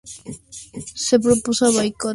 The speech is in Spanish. Se propuso un boicot y la transferencia de dominios.